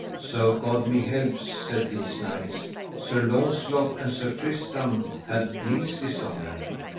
So God me help, said these knights, Sir Launcelot and Sir Tristram had least dishonour.